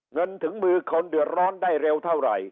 เงินถึงมือคนเดือดร้อนได้เร็วเท่าไหร่